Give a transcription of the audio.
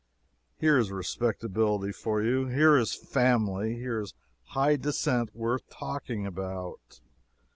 Here is respectability for you here is "family" here is high descent worth talking about.